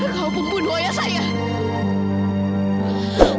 kau pembunuh ayah saya